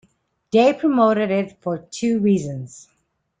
They promoted it for two reasons.